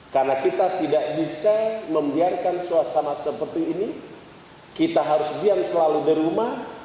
karena kita tidak bisa membiarkan suasana seperti ini kita harus biar selalu di rumah